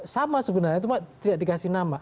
sama sebenarnya itu tidak dikasih nama